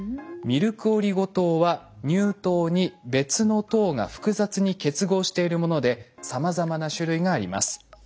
ミルクオリゴ糖は乳糖に別の糖が複雑に結合しているものでさまざまな種類があります。